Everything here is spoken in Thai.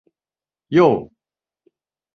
โย่